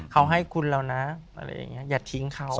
เขาให้คุณแล้วนะอะไรอย่างนี้อย่าทิ้งเขา